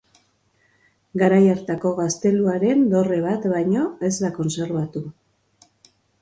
Garai hartako gazteluaren dorre bat baino ez da kontserbatu.